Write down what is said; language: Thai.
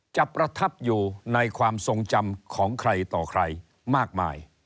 ประทับอยู่ในความทรงจำของใครต่อใครมากมาย